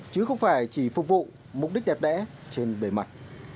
chứ không phải chỉ phục vụ mục đích đẹp đẽ trên bề mặt